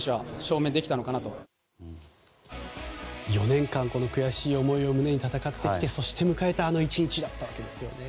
４年間この悔しい思いを胸に戦ってきてそして迎えたあの１日だったわけですよね。